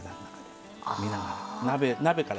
見ながら。